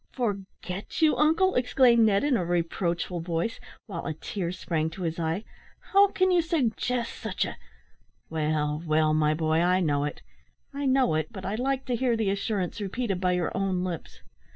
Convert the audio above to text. "Forget you, uncle!" exclaimed Ned, in a reproachful voice, while a tear sprang to his eye. "How can you suggest such a " "Well, well, my boy, I know it I know it; but I like to hear the assurance repeated by your own lips.